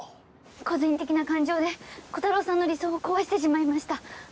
個人的な感情でコタローさんの理想を壊してしまいました。